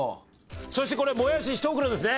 そしてこれもやし１袋ですね。